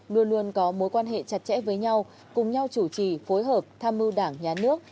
luôn luôn có mối quan hệ chặt chẽ với nhau cùng nhau chủ trì phối hợp tham mưu đảng nhà nước